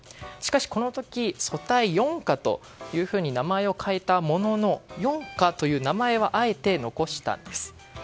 しかし、この時、組対４課と名前を変えたものの４課という名前はあえて残したんです。